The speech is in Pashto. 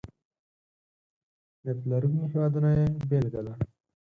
نفت لرونکي هېوادونه یې بېلګه ده.